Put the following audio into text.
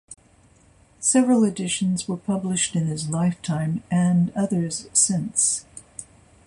Several editions were published in his lifetime, and others since.